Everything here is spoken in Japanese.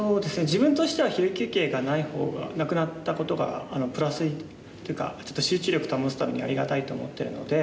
自分としては昼休憩がない方がなくなったことがプラスにというかちょっと集中力保つためにありがたいと思ってるので。